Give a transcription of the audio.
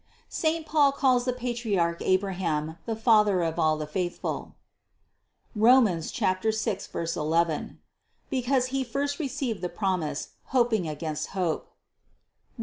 501. Saint Paul calls the patriarch Abraham the father of all the faithful ( Rom. 6, 11), because he first received the promise, hoping against hope (Rom.